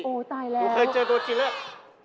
ตายแล้วเคยเจอตัวจริงแล้ว